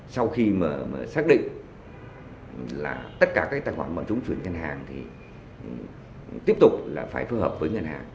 sau khi mà xác định là tất cả các tài khoản mà chúng chuyển ngân hàng thì tiếp tục là phải phù hợp với ngân hàng